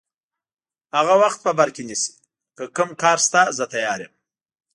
هغه وخت په بر کې نیسي، که کوم کار شته زه تیار یم.